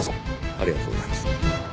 ありがとうございます。